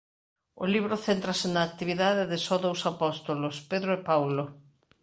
O libro céntrase na actividade de só dous apóstolos Pedro e Paulo.